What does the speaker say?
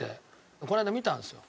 この間見たんですよ。